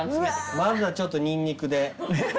まずはちょっとニンニクで。